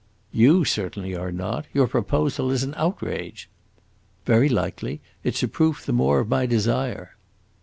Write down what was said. "You certainly are not. Your proposal is an outrage." "Very likely. It 's a proof the more of my desire."